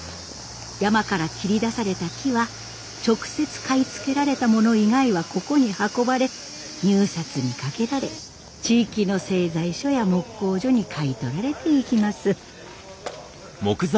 山から切り出された木は直接買い付けられたもの以外はここに運ばれ入札にかけられ地域の製材所や木工所に買い取られていきます。